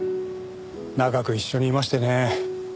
長く一緒にいましてね。